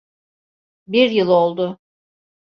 Bir yıl oldu.